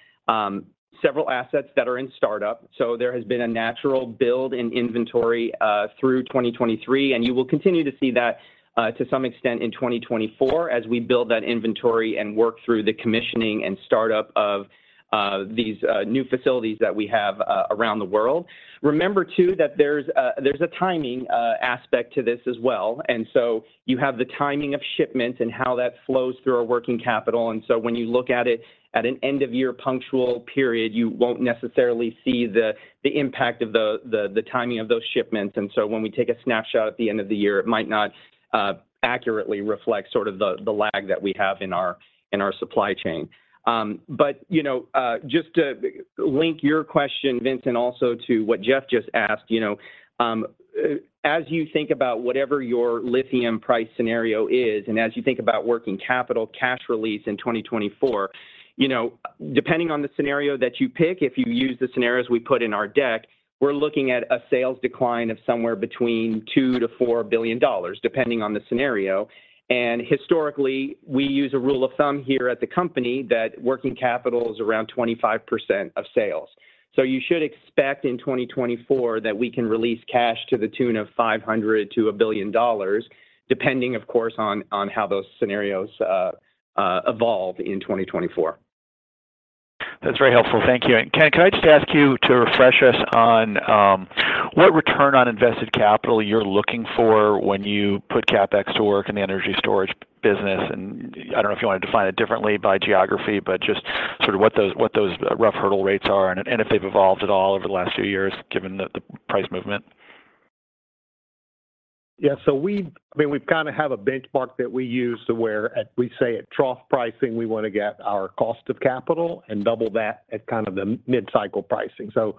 several assets that are in startup. So there has been a natural build in inventory through 2023. And you will continue to see that to some extent in 2024 as we build that inventory and work through the commissioning and startup of these new facilities that we have around the world. Remember, too, that there's a timing aspect to this as well. And so you have the timing of shipments and how that flows through our working capital. And so when you look at it at an end-of-year punctual period, you won't necessarily see the impact of the timing of those shipments. So when we take a snapshot at the end of the year, it might not accurately reflect sort of the lag that we have in our supply chain. But just to link your question, Vincent, also to what Jeff just asked, as you think about whatever your lithium price scenario is and as you think about working capital, cash release in 2024, depending on the scenario that you pick, if you use the scenarios we put in our deck, we're looking at a sales decline of somewhere between $2-$4 billion, depending on the scenario. Historically, we use a rule of thumb here at the company that working capital is around 25% of sales. So you should expect in 2024 that we can release cash to the tune of $500 million-$1 billion, depending, of course, on how those scenarios evolve in 2024. That's very helpful. Thank you. Kent, can I just ask you to refresh us on what return on invested capital you're looking for when you put CapEx to work in the energy storage business? I don't know if you want to define it differently by geography, but just sort of what those rough hurdle rates are and if they've evolved at all over the last few years, given the price movement. Yeah. So I mean, we kind of have a benchmark that we use to where we say at trough pricing, we want to get our cost of capital and double that at kind of the mid-cycle pricing. So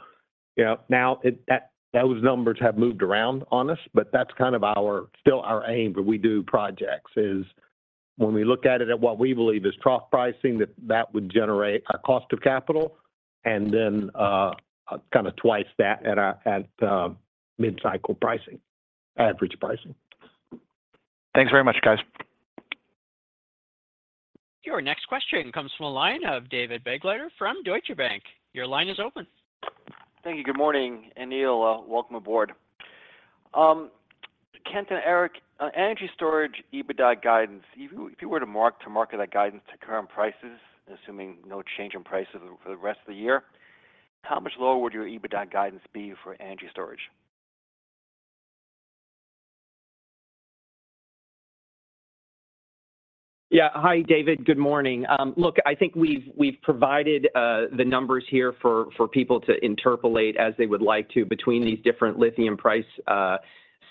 now, those numbers have moved around on us, but that's kind of still our aim when we do projects is when we look at it at what we believe is trough pricing, that that would generate our cost of capital and then kind of twice that at mid-cycle pricing, average pricing. Thanks very much, guys. Your next question comes from a line of David Begleiter from Deutsche Bank. Your line is open. Thank you. Good morning. Neal, welcome aboard. Kent and Eric, energy storage EBITDA guidance, if you were to mark that guidance to current prices, assuming no change in prices for the rest of the year, how much lower would your EBITDA guidance be for energy storage? Yeah. Hi, David. Good morning. Look, I think we've provided the numbers here for people to interpolate as they would like to between these different lithium price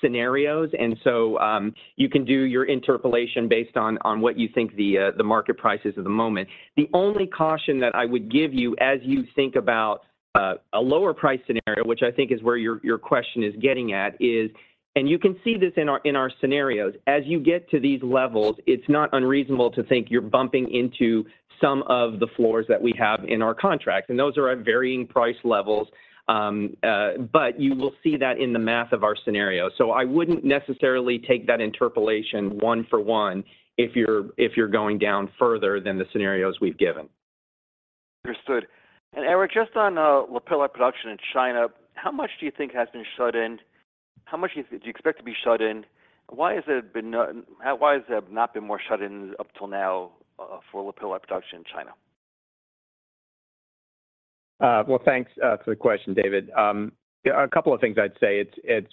scenarios. And so you can do your interpolation based on what you think the market price is at the moment. The only caution that I would give you as you think about a lower price scenario, which I think is where your question is getting at, is and you can see this in our scenarios. As you get to these levels, it's not unreasonable to think you're bumping into some of the floors that we have in our contracts. And those are at varying price levels. But you will see that in the math of our scenarios. So I wouldn't necessarily take that interpolation one for one if you're going down further than the scenarios we've given. Understood. And Eric, just on lithium production in China, how much do you think has been shut in? How much do you expect to be shut in? Why has there not been more shut in up till now for lithium production in China? Well, thanks for the question, David. A couple of things I'd say.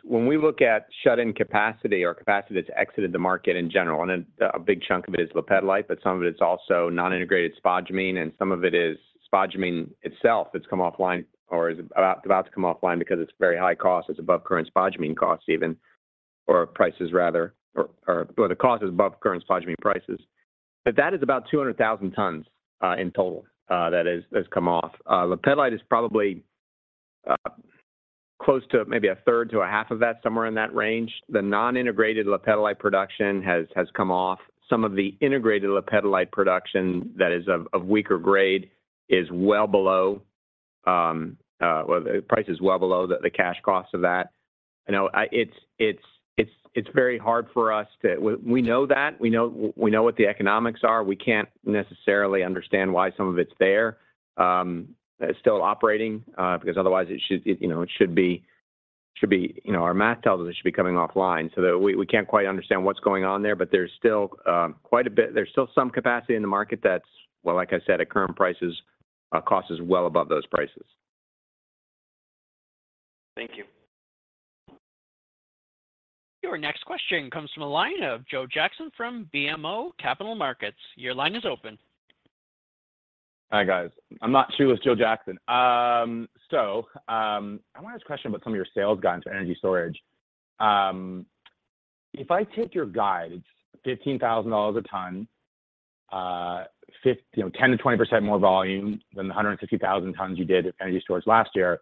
When we look at shut-in capacity or capacity that's exited the market in general, and a big chunk of it is lithium, but some of it is also non-integrated spodumene. Some of it is spodumene itself that's come offline or is about to come offline because it's very high cost. It's above current spodumene costs even, or prices rather, or the cost is above current spodumene prices. But that is about 200,000 tons in total that has come off. Lithium is probably close to maybe a third to a half of that, somewhere in that range. The non-integrated lithium production has come off. Some of the integrated lithium production that is of weaker grade is well below well, the price is well below the cash cost of that. It's very hard for us to we know that. We know what the economics are. We can't necessarily understand why some of it's there still operating because otherwise, it should be. Our math tells us it should be coming offline. So we can't quite understand what's going on there. But there's still quite a bit. There's still some capacity in the market that's, well, like I said, at current prices, cost is well above those prices. Thank you. Your next question comes from the line of Joel Jackson from BMO Capital Markets. Your line is open. Hi, guys. I'm with Joel Jackson. So I want to ask a question about some of your sales guidance for energy storage. If I take your guidance, $15,000 a ton, 10%-20% more volume than the 150,000 tons you did of energy storage last year,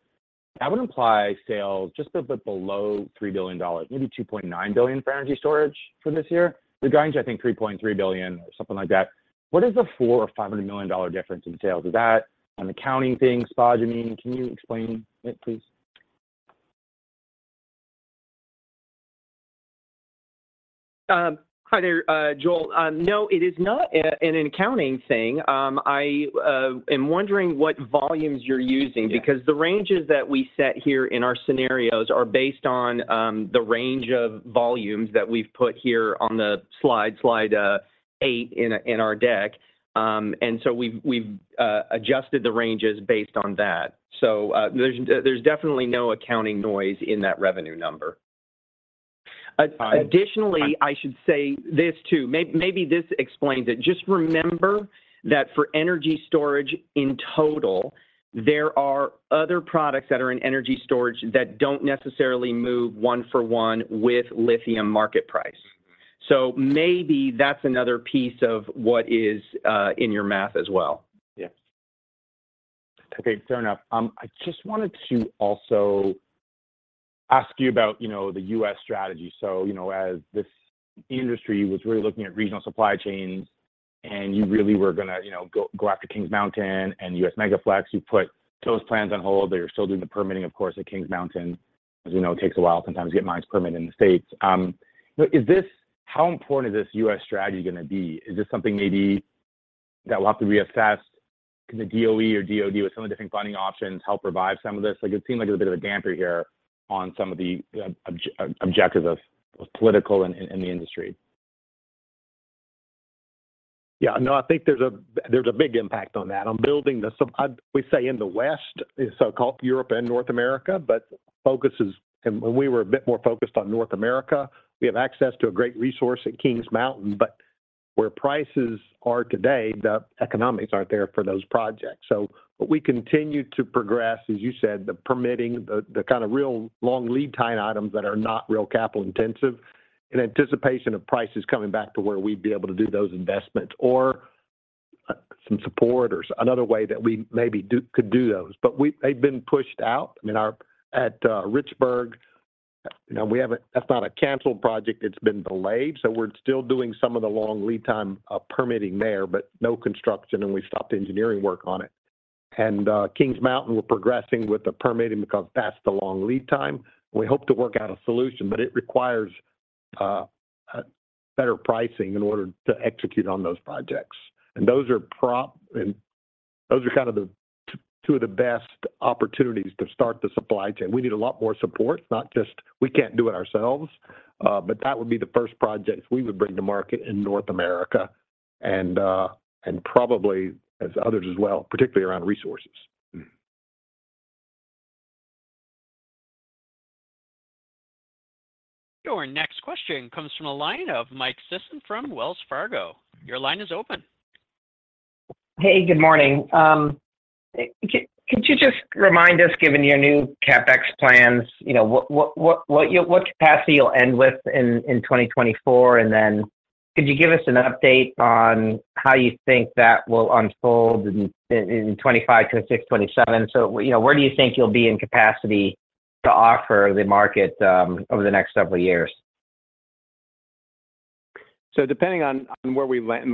that would imply sales just a bit below $3 billion, maybe $2.9 billion for energy storage for this year. You're going to, I think, $3.3 billion or something like that. What is the $400 million or $500 million difference in sales? Is that an accounting thing, spodumene? Can you explain it, please? Hi there, Joel. No, it is not an accounting thing. I am wondering what volumes you're using because the ranges that we set here in our scenarios are based on the range of volumes that we've put here on the slide, slide 8 in our deck. And so we've adjusted the ranges based on that. So there's definitely no accounting noise in that revenue number. Additionally, I should say this too. Maybe this explains it. Just remember that for energy storage in total, there are other products that are in energy storage that don't necessarily move one for one with lithium market price. So maybe that's another piece of what is in your math as well. Yeah. Okay. Fair enough. I just wanted to also ask you about the U.S. strategy. So as this industry was really looking at regional supply chains, and you really were going to go after Kings Mountain and U.S. megafactory, you put those plans on hold. They're still doing the permitting, of course, at Kings Mountain. As we know, it takes a while sometimes to get mines permitted in the States. How important is this U.S. strategy going to be? Is this something maybe that we'll have to reassess? Can the D.O.E. or D.O.D. with some of the different funding options help revive some of this? It seemed like it was a bit of a damper here on some of the objectives of political and the industry. Yeah. No, I think there's a big impact on that. We say in the West, so-called Europe and North America, but focuses and when we were a bit more focused on North America, we have access to a great resource at Kings Mountain. But where prices are today, the economics aren't there for those projects. So what we continue to progress, as you said, the permitting, the kind of real long lead-time items that are not real capital-intensive in anticipation of prices coming back to where we'd be able to do those investments or some support or another way that we maybe could do those. But they've been pushed out. I mean, at Richburg, that's not a canceled project. It's been delayed. So we're still doing some of the long lead-time permitting there, but no construction. And we stopped engineering work on it. Kings Mountain were progressing with the permitting because that's the long lead time. We hope to work out a solution, but it requires better pricing in order to execute on those projects. Those are kind of the two of the best opportunities to start the supply chain. We need a lot more support, not just we can't do it ourselves. That would be the first projects we would bring to market in North America and probably as others as well, particularly around resources. Your next question comes from a line of Mike Sison from Wells Fargo. Your line is open. Hey, good morning. Could you just remind us, given your new CapEx plans, what capacity you'll end with in 2024? And then could you give us an update on how you think that will unfold in 2025 to 2026, 2027? So where do you think you'll be in capacity to offer the market over the next several years? So,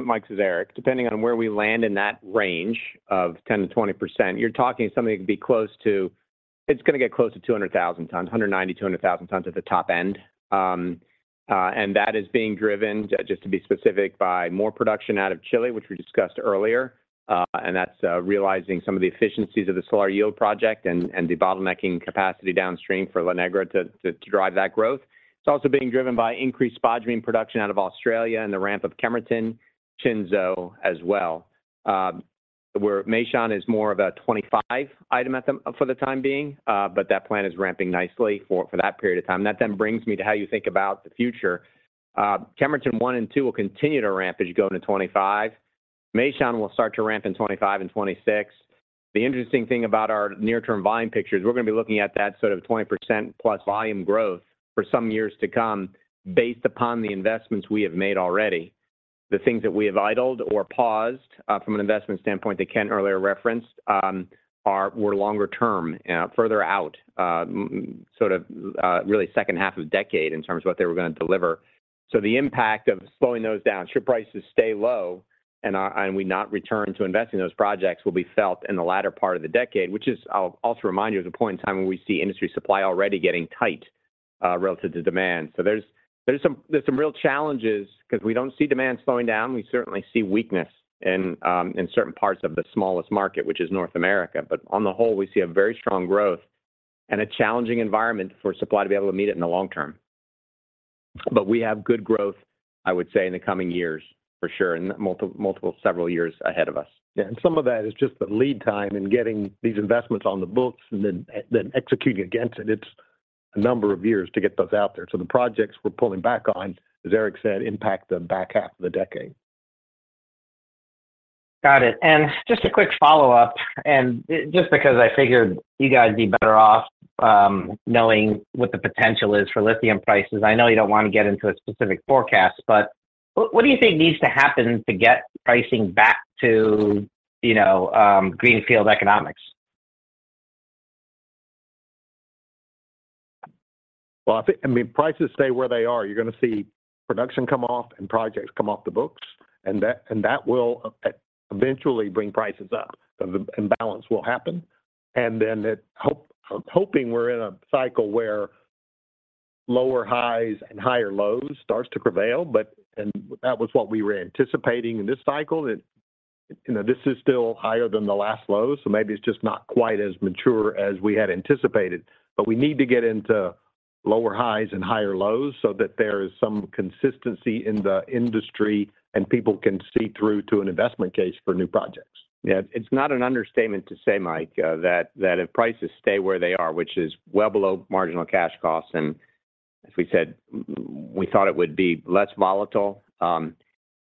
Mike, this is Eric. Depending on where we land in that range of 10%-20%, you're talking something that could be close to. It's going to get close to 200,000 tons, 190,000-200,000 tons at the top end. And that is being driven, just to be specific, by more production out of Chile, which we discussed earlier. And that's realizing some of the efficiencies of the Salar Yield project and debottlenecking capacity downstream for La Negra to drive that growth. It's also being driven by increased spodumene production out of Australia and the ramp of Kemerton, Jiangxi as well. Where Meishan is more of a 2025 item for the time being, but that plant is ramping nicely for that period of time. And that then brings me to how you think about the future. Kemerton 1 and 2 will continue to ramp as you go into 2025. Meishan will start to ramp in 2025 and 2026. The interesting thing about our near-term volume picture is we're going to be looking at that sort of 20%-plus volume growth for some years to come based upon the investments we have made already. The things that we have idled or paused from an investment standpoint that Kent earlier referenced were longer term, further out, sort of really second half of the decade in terms of what they were going to deliver. So the impact of slowing those down, if prices stay low, and we do not return to investing in those projects will be felt in the latter part of the decade, which is, I'll also remind you, a point in time when we see industry supply already getting tight relative to demand. So there's some real challenges because we don't see demand slowing down. We certainly see weakness in certain parts of the smallest market, which is North America. But on the whole, we see a very strong growth and a challenging environment for supply to be able to meet it in the long term. But we have good growth, I would say, in the coming years for sure and several years ahead of us. Yeah. And some of that is just the lead time in getting these investments on the books and then executing against it. It's a number of years to get those out there. So the projects we're pulling back on, as Eric said, impact the back half of the decade. Got it. Just a quick follow-up. Just because I figured you guys would be better off knowing what the potential is for lithium prices, I know you don't want to get into a specific forecast, but what do you think needs to happen to get pricing back to greenfield economics? Well, I mean, prices stay where they are. You're going to see production come off and projects come off the books. And that will eventually bring prices up. So the imbalance will happen. And then hoping we're in a cycle where lower highs and higher lows start to prevail. And that was what we were anticipating in this cycle. This is still higher than the last lows. So maybe it's just not quite as mature as we had anticipated. But we need to get into lower highs and higher lows so that there is some consistency in the industry and people can see through to an investment case for new projects. Yeah. It's not an understatement to say, Mike, that if prices stay where they are, which is well below marginal cash costs, and as we said, we thought it would be less volatile,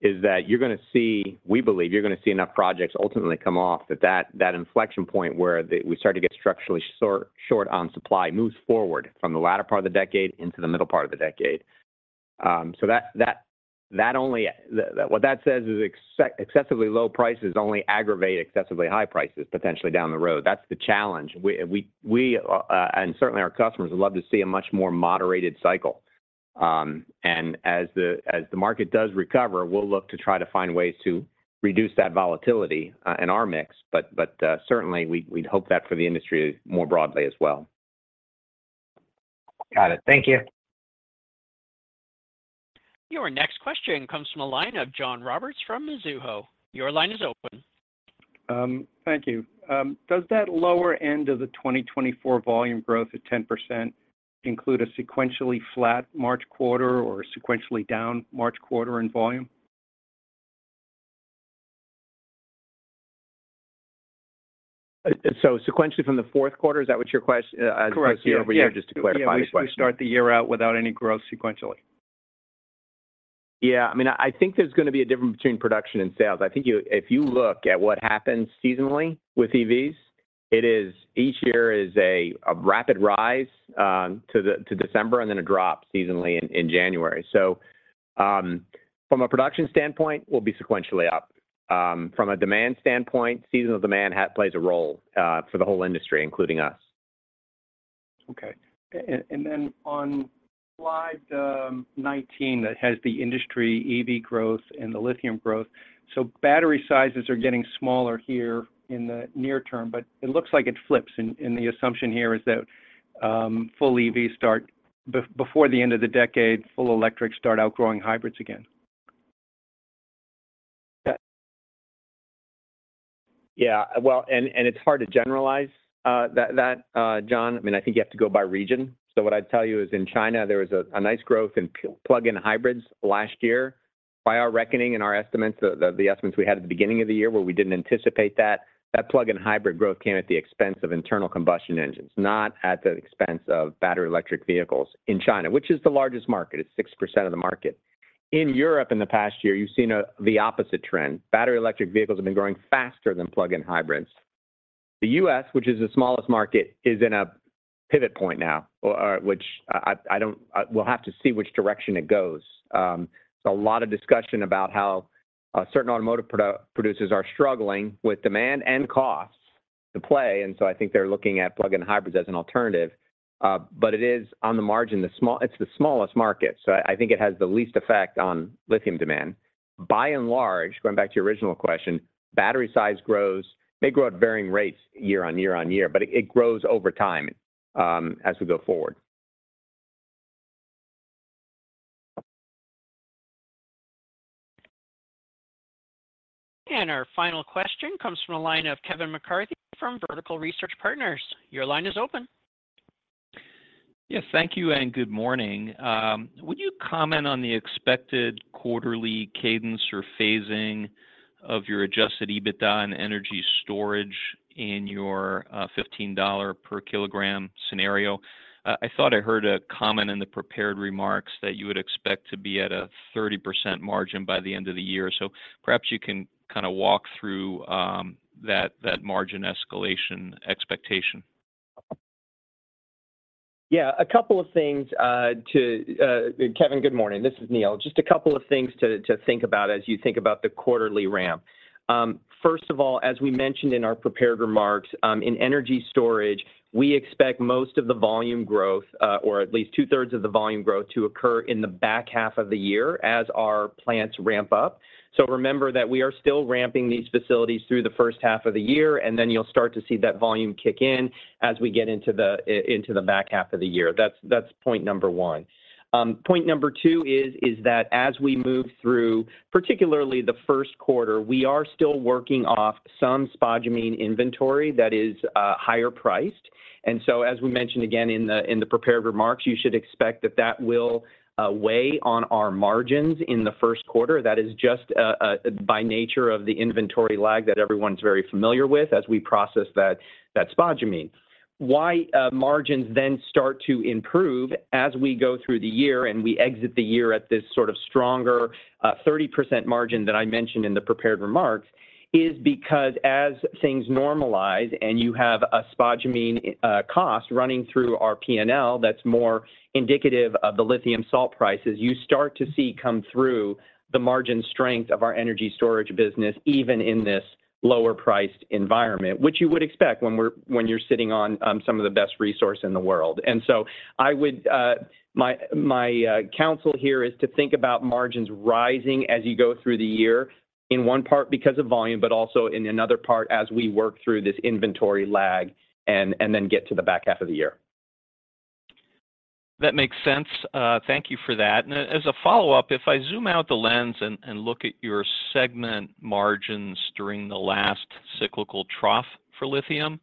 that you're going to see we believe you're going to see enough projects ultimately come off. That inflection point where we start to get structurally short on supply moves forward from the latter part of the decade into the middle part of the decade. So what that says is excessively low prices only aggravate excessively high prices potentially down the road. That's the challenge. Certainly, our customers would love to see a much more moderated cycle. As the market does recover, we'll look to try to find ways to reduce that volatility in our mix. But certainly, we'd hope that for the industry more broadly as well. Got it. Thank you. Your next question comes from a line of John Roberts from Mizuho. Your line is open. Thank you. Does that lower end of the 2024 volume growth of 10% include a sequentially flat March quarter or a sequentially down March quarter in volume? So sequentially from the fourth quarter, is that what your question as you see over here, just to clarify the question? Correct. Yeah. We start the year out without any growth sequentially. Yeah. I mean, I think there's going to be a difference between production and sales. I think if you look at what happens seasonally with EVs, each year is a rapid rise to December and then a drop seasonally in January. So from a production standpoint, we'll be sequentially up. From a demand standpoint, seasonal demand plays a role for the whole industry, including us. Okay. Then on slide 19 that has the industry EV growth and the lithium growth, so battery sizes are getting smaller here in the near term. It looks like it flips. The assumption here is that full EVs start before the end of the decade, full electrics start outgrowing hybrids again. Yeah. Well, and it's hard to generalize that, John. I mean, I think you have to go by region. So what I'd tell you is in China, there was a nice growth in plug-in hybrids last year. By our reckoning and our estimates, the estimates we had at the beginning of the year where we didn't anticipate that, that plug-in hybrid growth came at the expense of internal combustion engines, not at the expense of battery electric vehicles in China, which is the largest market. It's 6% of the market. In Europe in the past year, you've seen the opposite trend. Battery electric vehicles have been growing faster than plug-in hybrids. The US, which is the smallest market, is in a pivot point now, which we'll have to see which direction it goes. It's a lot of discussion about how certain automotive producers are struggling with demand and costs to play. And so I think they're looking at plug-in hybrids as an alternative. But it is on the margin. It's the smallest market. So I think it has the least effect on lithium demand. By and large, going back to your original question, battery size grows may grow at varying rates year on year on year, but it grows over time as we go forward. And our final question comes from a line of Kevin McCarthy from Vertical Research Partners. Your line is open. Yes. Thank you and good morning. Would you comment on the expected quarterly cadence or phasing of your Adjusted EBITDA on energy storage in your $15 per kilogram scenario? I thought I heard a comment in the prepared remarks that you would expect to be at a 30% margin by the end of the year. So perhaps you can kind of walk through that margin escalation expectation. Yeah. A couple of things to Kevin. Good morning. This is Neal. Just a couple of things to think about as you think about the quarterly ramp. First of all, as we mentioned in our prepared remarks, in energy storage, we expect most of the volume growth or at least two-thirds of the volume growth to occur in the back half of the year as our plants ramp up. Remember that we are still ramping these facilities through the first half of the year. Then you'll start to see that volume kick in as we get into the back half of the year. That's point number one. Point number two is that as we move through, particularly the first quarter, we are still working off some spodumene inventory that is higher priced. And so as we mentioned again in the prepared remarks, you should expect that that will weigh on our margins in the first quarter. That is just by nature of the inventory lag that everyone's very familiar with as we process that spodumene. Why margins then start to improve as we go through the year and we exit the year at this sort of stronger 30% margin that I mentioned in the prepared remarks is because as things normalize and you have a spodumene cost running through our P&L that's more indicative of the lithium salt prices, you start to see come through the margin strength of our energy storage business even in this lower-priced environment, which you would expect when you're sitting on some of the best resource in the world. My counsel here is to think about margins rising as you go through the year, in one part because of volume, but also in another part as we work through this inventory lag and then get to the back half of the year. That makes sense. Thank you for that. As a follow-up, if I zoom out the lens and look at your segment margins during the last cyclical trough for lithium,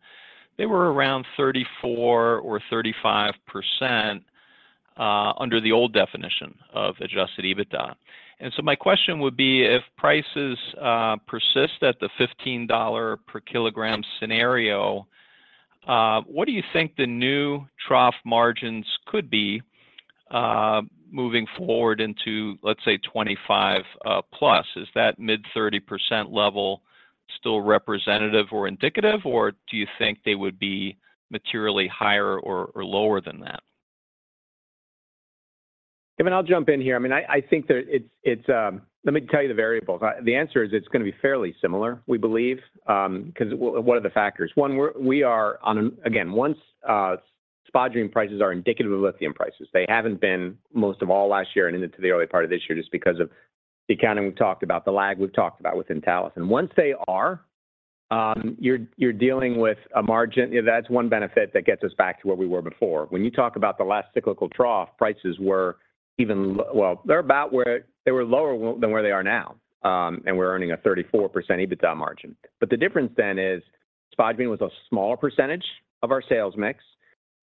they were around 34% or 35% under the old definition of Adjusted EBITDA. So my question would be, if prices persist at the $15 per kilogram scenario, what do you think the new trough margins could be moving forward into, let's say, 2025-plus? Is that mid-30% level still representative or indicative, or do you think they would be materially higher or lower than that? Kevin, I'll jump in here. I mean, I think it's—let me tell you the variables. The answer is it's going to be fairly similar, we believe, because what are the factors? One, we are on again, once spodumene prices are indicative of lithium prices, they haven't been most of all last year and into the early part of this year just because of the accounting we've talked about, the lag we've talked about with inventories. And once they are, you're dealing with a margin that's one benefit that gets us back to where we were before. When you talk about the last cyclical trough, prices were even, well, they're about where they were, lower than where they are now. And we're earning a 34% EBITDA margin. But the difference then is spodumene was a smaller percentage of our sales mix.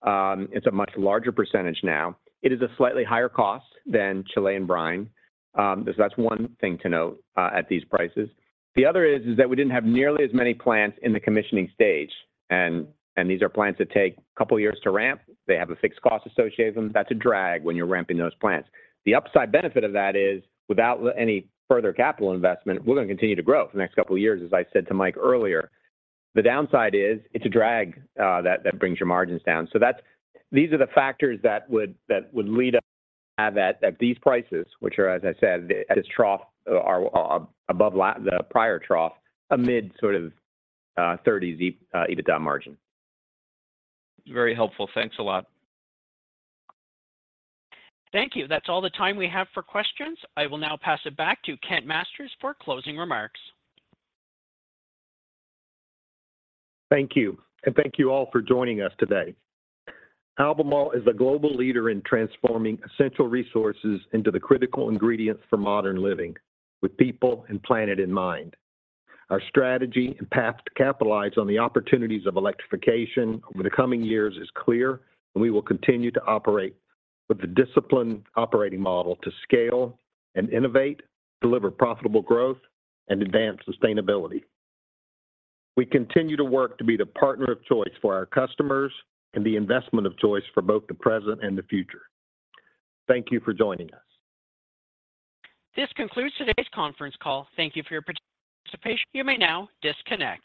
It's a much larger percentage now. It is a slightly higher cost than Chilean brine. So that's one thing to note at these prices. The other is that we didn't have nearly as many plants in the commissioning stage. And these are plants that take a couple of years to ramp. They have a fixed cost associated with them. That's a drag when you're ramping those plants. The upside benefit of that is without any further capital investment, we're going to continue to grow for the next couple of years, as I said to Mike earlier. The downside is it's a drag that brings your margins down. So these are the factors that would lead us to have these prices, which are, as I said, at this trough above the prior trough, a mid-30s EBITDA margin. Very helpful. Thanks a lot. Thank you. That's all the time we have for questions. I will now pass it back to Kent Masters for closing remarks. Thank you. And thank you all for joining us today. Albemarle is a global leader in transforming essential resources into the critical ingredients for modern living with people and planet in mind. Our strategy and path to capitalize on the opportunities of electrification over the coming years is clear, and we will continue to operate with the disciplined operating model to scale and innovate, deliver profitable growth, and advance sustainability. We continue to work to be the partner of choice for our customers and the investment of choice for both the present and the future. Thank you for joining us. This concludes today's conference call. Thank you for your participation. You may now disconnect.